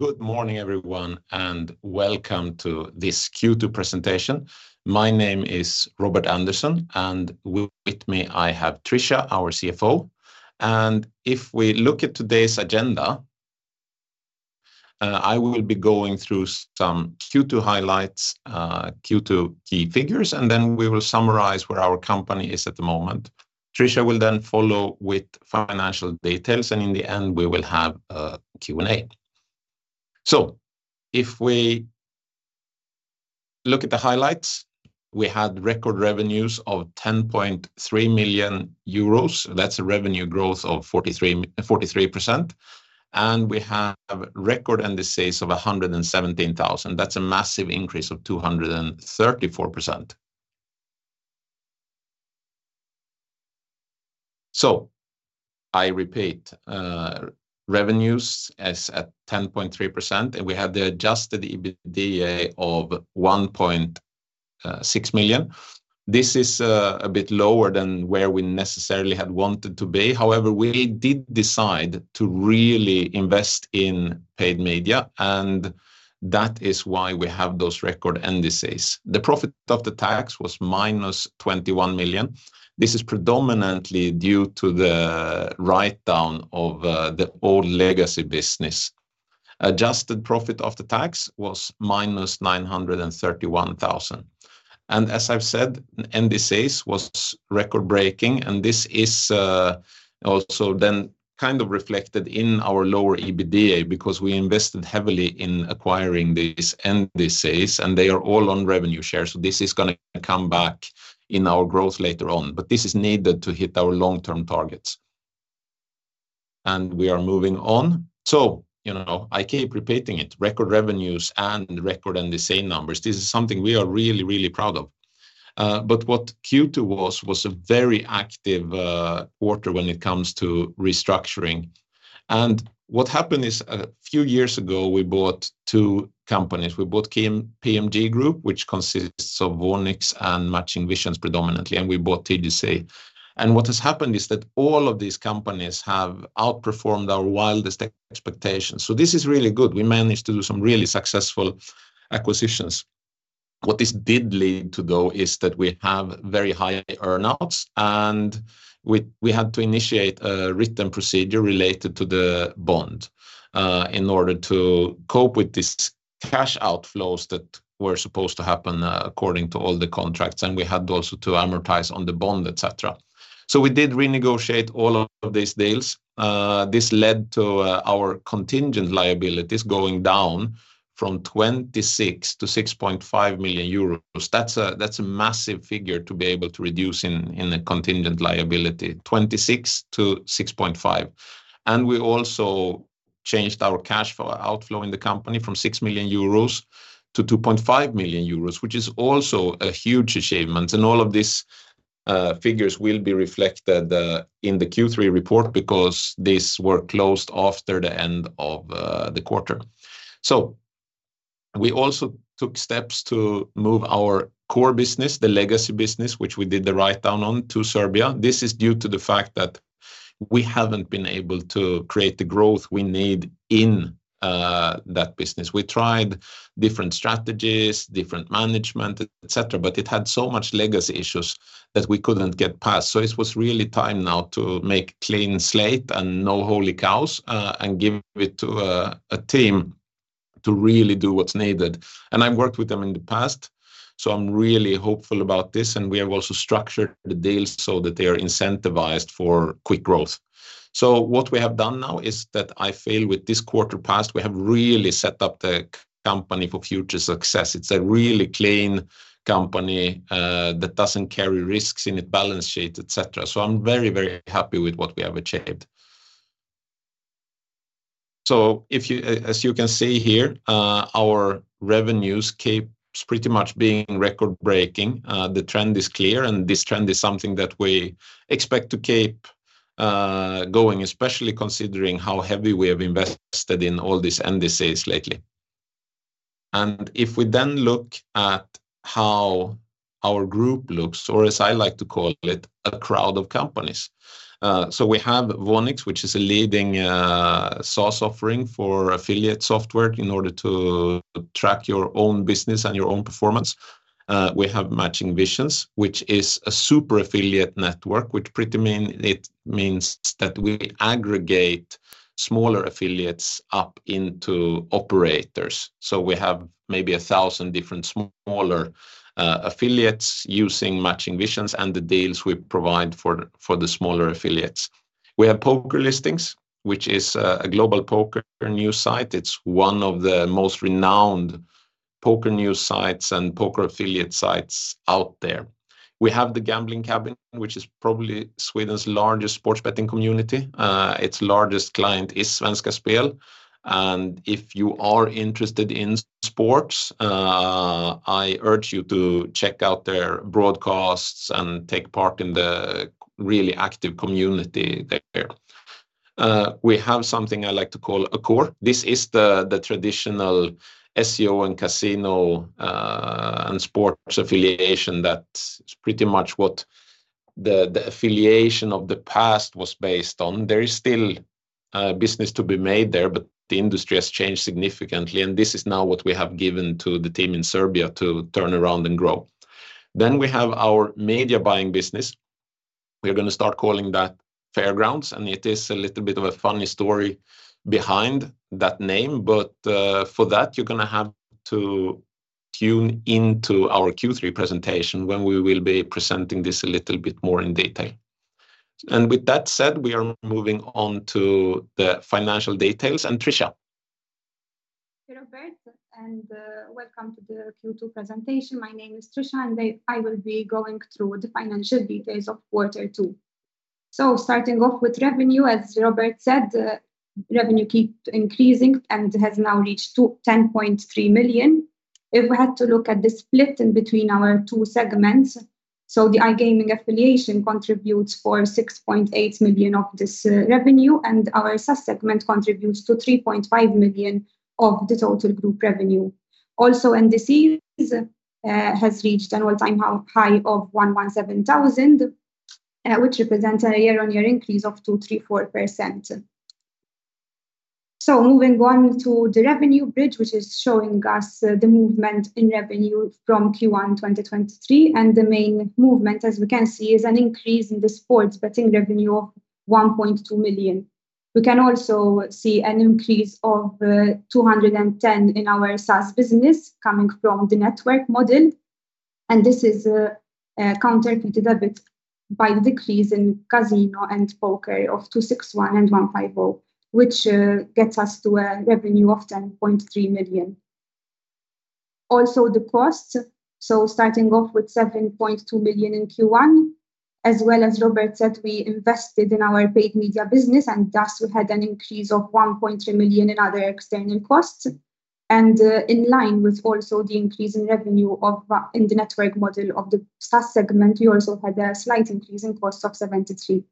Good morning, everyone, and welcome to this Q2 presentation. My name is Robert Andersson, and with me, I have Tricia, our CFO. If we look at today's agenda, I will be going through some Q2 highlights, Q2 key figures. Then we will summarize where our company is at the moment. Tricia will then follow with financial details. In the end, we will have a Q&A. If we look at the highlights, we had record revenues of 10.3 million euros. That's a revenue growth of 43%. We have record NDCs of 117,000. That's a massive increase of 234%. I repeat, revenues as at 10.3%. We have the adjusted EBITDA of 1.6 million. This is a bit lower than where we necessarily had wanted to be. However, we did decide to really invest in paid media, and that is why we have those record NDCs. The profit of the tax was -21 million. This is predominantly due to the write-down of the old legacy business. Adjusted profit of the tax was -931,000. As I've said, NDCs was record-breaking, and this is also then kind of reflected in our lower EBITDA, because we invested heavily in acquiring these NDCs, and they are all on revenue share. This is gonna come back in our growth later on, but this is needed to hit our long-term targets. We are moving on. You know, I keep repeating it, record revenues and record NDC numbers. This is something we are really, really proud of. What Q2 was, was a very active quarter when it comes to restructuring. What happened is, a few years ago, we bought two companies. We bought PMG Group, which consists of Voonix and Matching Visions, predominantly, and we bought TDC. What has happened is that all of these companies have outperformed our wildest expectations. This is really good. We managed to do some really successful acquisitions. What this did lead to, though, is that we have very high earn-outs, and we, we had to initiate a written procedure related to the bond in order to cope with these cash outflows that were supposed to happen according to all the contracts, and we had also to amortize on the bond, et cetera. We did renegotiate all of these deals. This led to our contingent liabilities going down from 26 million to 6.5 million euros. That's a massive figure to be able to reduce in, in a contingent liability, 26 million to 6.5 million. We also changed our cash flow outflow in the company from 6 million euros to 2.5 million euros, which is also a huge achievement. All of these figures will be reflected in the Q3 report because these were closed after the end of the quarter. We also took steps to move our core business, the legacy business, which we did the write down on, to Serbia. This is due to the fact that we haven't been able to create the growth we need in that business. We tried different strategies, different management, et cetera, but it had so much legacy issues that we couldn't get past. It was really time now to make clean slate and no holy cows, and give it to a team to really do what's needed. And I've worked with them in the past, so I'm really hopeful about this, and we have also structured the deals so that they are incentivized for quick growth. What we have done now is that I feel with this quarter past, we have really set up the company for future success. It's a really clean company that doesn't carry risks in its balance sheet, et cetera. I'm very, very happy with what we have achieved. So as you can see here, our revenues keeps pretty much being record-breaking. The trend is clear, this trend is something that we expect to keep going, especially considering how heavy we have invested in all these NDCs lately. If we then look at how our group looks, or as I like to call it, a crowd of companies. We have Voonix, which is a leading SaaS offering for affiliate software in order to track your own business and your own performance. We have Matching Visions, which is a super affiliate network, which it means that we aggregate smaller affiliates up into operators. We have maybe 1,000 different smaller affiliates using Matching Visions and the deals we provide for the smaller affiliates. We have PokerListings, which is a global poker news site. It's one of the most renowned poker news sites and poker affiliate sites out there. We have The Gambling Cabin, which is probably Sweden's largest sports betting community. Its largest client is Svenska Spel, and if you are interested in sports, I urge you to check out their broadcasts and take part in the really active community there. We have something I like to call Acore. This is the traditional SEO and casino and sports affiliation. That's pretty much what the affiliation of the past was based on. There is still business to be made there, but the industry has changed significantly, and this is now what we have given to the team in Serbia to turn around and grow. We have our media buying business. We are going to start calling that Fairgrounds. It is a little bit of a funny story behind that name, but for that, you're gonna have to tune into our Q3 presentation, when we will be presenting this a little bit more in detail. With that said, we are moving on to the financial details, and Tricia. Hey, Robert, and welcome to the Q2 presentation. My name is Tricia, and I will be going through the financial details of Quarter 2. Starting off with revenue, as Robert said, revenue keep increasing and has now reached to 10.3 million. If we had to look at the split in between our two segments, the iGaming affiliation contributes for 6.8 million of this revenue, and our SaaS segment contributes to 3.5 million of the total group revenue. Also, NDC is has reached an all-time high, high of 117,000, which represents a year-on-year increase of 234%. Moving on to the revenue bridge, which is showing us the movement in revenue from Q1 2023, and the main movement, as we can see, is an increase in the sports betting revenue of 1.2 million. We can also see an increase of 210 in our SaaS business coming from the network model, and this is counteracted a bit by the decrease in casino and poker of 261 and 150, which gets us to a revenue of 10.3 million. Also, the costs, starting off with 7.2 million in Q1, as Robert said, we invested in our paid media business, and thus we had an increase of 1.3 million in other external costs. In line with also the increase in revenue of in the network model of the SaaS segment, we also had a slight increase in cost of 73.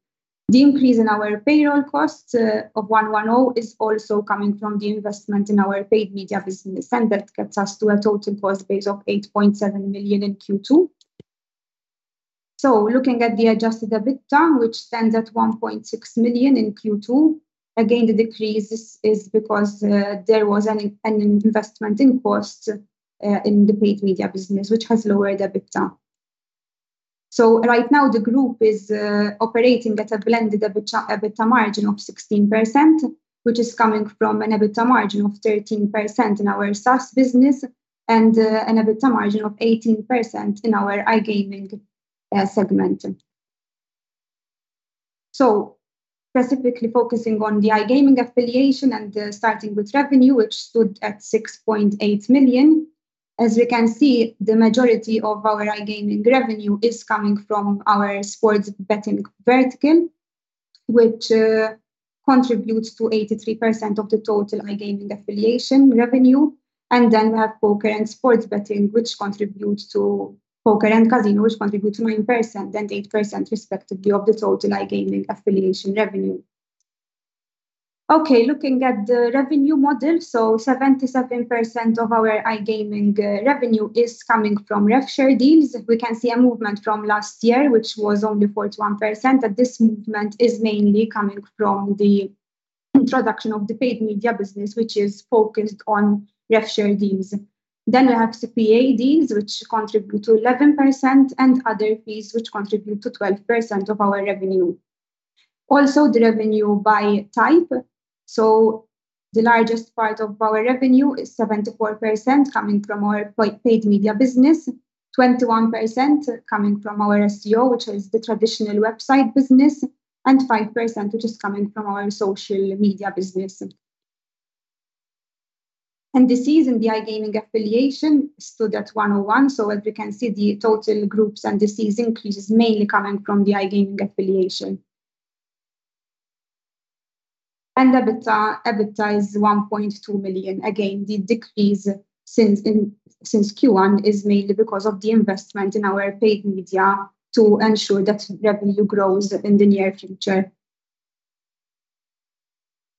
The increase in our payroll costs of 110 is also coming from the investment in our paid media business, and that gets us to a total cost base of 8.7 million in Q2. Looking at the adjusted EBITDA, which stands at 1.6 million in Q2, again, the decrease is because there was an investment in costs in the paid media business, which has lowered EBITDA. Right now, the group is operating at a blended EBITDA margin of 16%, which is coming from an EBITDA margin of 13% in our SaaS business and an EBITDA margin of 18% in our iGaming segment. Specifically focusing on the iGaming affiliation and starting with revenue, which stood at 6.8 million. As we can see, the majority of our iGaming revenue is coming from our sports betting vertical, which contributes to 83% of the total iGaming affiliation revenue. We have poker and casino, which contribute to 9% and 8% respectively of the total iGaming affiliation revenue. Looking at the revenue model, 77% of our iGaming revenue is coming from revshare deals. We can see a movement from last year, which was only 41%, and this movement is mainly coming from the introduction of the paid media business, which is focused on revshare deals. We have CPA deals, which contribute to 11%, and other fees, which contribute to 12% of our revenue. The revenue by type. The largest part of our revenue is 74% coming from our paid media business, 21% coming from our SEO, which is the traditional website business, and 5%, which is coming from our social media business. This season, the iGaming affiliation stood at 101. As we can see, the total groups and this season increases mainly coming from the iGaming affiliation. EBITDA, EBITDA is 1.2 million. The decrease since Q1 is mainly because of the investment in our paid media to ensure that revenue grows in the near future.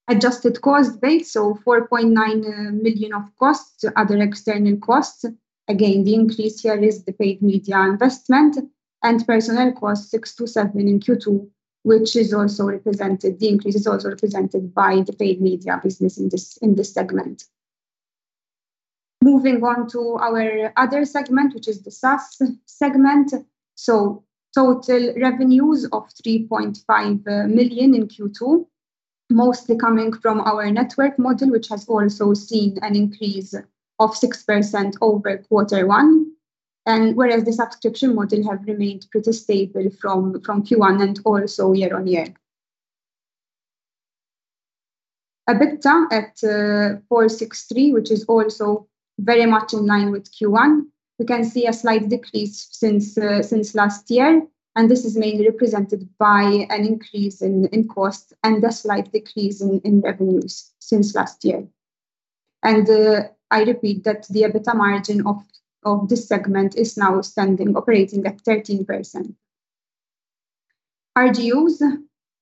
Adjusted cost base, 4.9 million of costs to other external costs. The increase here is the paid media investment and personnel costs, 6 million-7 million in Q2, which is also represented. The increase is also represented by the paid media business in this segment. Moving on to our other segment, which is the SaaS segment. Total revenues of 3.5 million in Q2, mostly coming from our network model, which has also seen an increase of 6% over Q1, and whereas the subscription model have remained pretty stable from Q1 and also year-over-year. EBITDA at 0.463 million, which is also very much in line with Q1. We can see a slight decrease since last year, and this is mainly represented by an increase in costs and a slight decrease in revenues since last year. I repeat that the EBITDA margin of this segment is now standing operating at 13%. RGUs,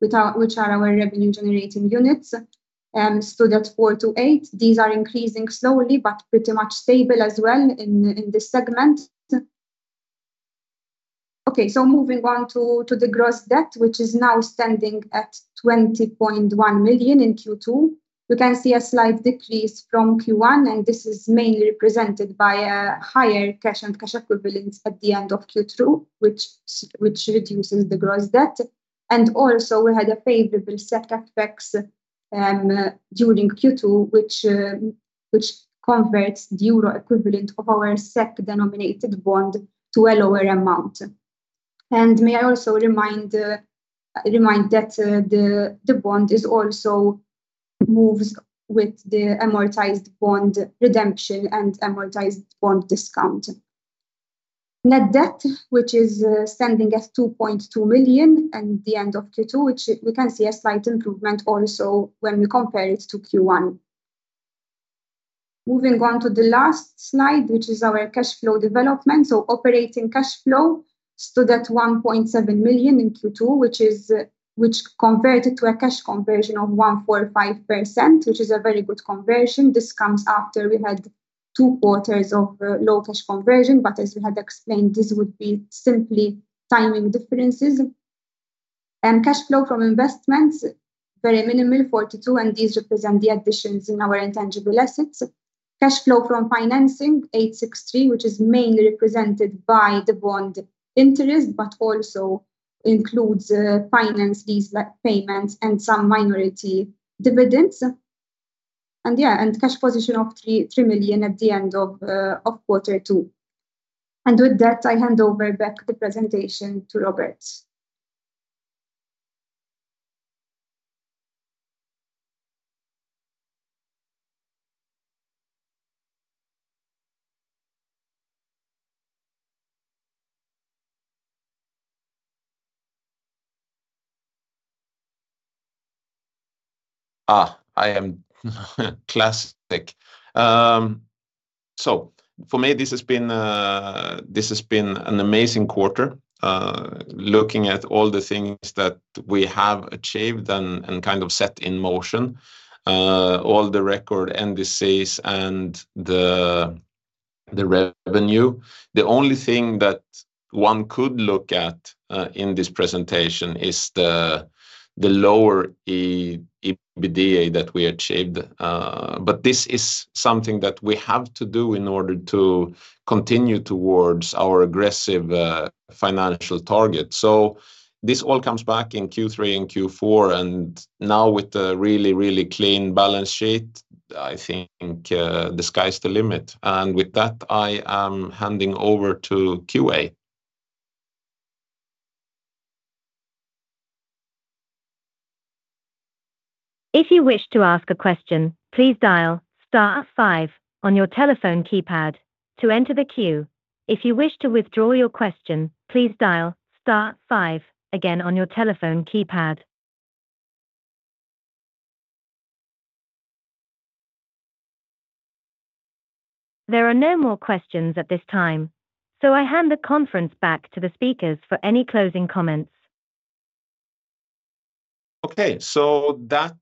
which are our revenue generating units, stood at 428. These are increasing slowly, but pretty much stable as well in this segment. Moving on to the gross debt, which is now standing at 20.1 million in Q2. We can see a slight decrease from Q1, and this is mainly represented by a higher cash and cash equivalents at the end of Q2, which reduces the gross debt. Also, we had a favorable set FX during Q2, which converts the euro equivalent of our SEK-denominated bond to a lower amount. May I also remind that the bond is also moves with the amortized bond redemption and amortized bond discount. Net debt, which is standing at 2.2 million at the end of Q2, which we can see a slight improvement also when we compare it to Q1. Moving on to the last slide, which is our cash flow development. Operating cash flow stood at 1.7 million in Q2, which converted to a cash conversion of 145%, which is a very good conversion. This comes after we had two quarters of low cash conversion, but as we had explained, this would be simply timing differences. Cash flow from investments, very minimal, 42,000, and these represent the additions in our intangible assets. Cash flow from financing, 863,000, which is mainly represented by the bond interest, but also includes finance lease payments and some minority dividends. Cash position of 3.3 million at the end of quarter two. With that, I hand over back the presentation to Robert. Ah, I am... classic. This has been an amazing quarter. Looking at all the things that we have achieved and set in motion, all the record NDCs and the revenue. The only thing that one could look at in this presentation is the lower EBITDA that we achieved. But this is something that we have to do in order to continue towards our aggressive financial target. This all comes back in Q3 and Q4, and now with the really, really clean balance sheet, I think the sky's the limit. With that, I am handing over to Q&A. If you wish to ask a question, please dial star five on your telephone keypad to enter the queue. If you wish to withdraw your question, please dial star five again on your telephone keypad. There are no more questions at this time, so I hand the conference back to the speakers for any closing comments. Okay. That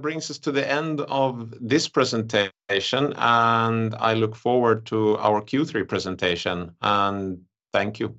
brings us to the end of this presentation, and I look forward to our Q3 presentation, and thank you.